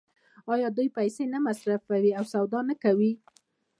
آیا دوی پیسې نه مصرفوي او سودا نه کوي؟